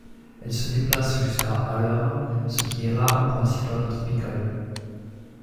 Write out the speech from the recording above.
Elle se déplace jusqu'à à l'heure, ce qui est rare pour un cyclone tropical.